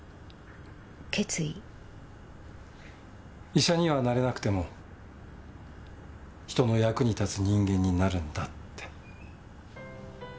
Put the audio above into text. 医者にはなれなくても人の役に立つ人間になるんだって。